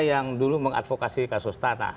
yang dulu mengadvokasi kasus tanah